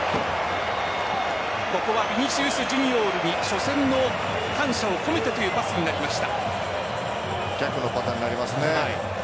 ここはヴィニシウス・ジュニオールに初戦の感謝を込めてというパスになりました。